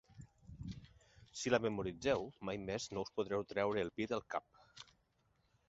Si la memoritzeu, mai més no us podreu treure el pi del cap.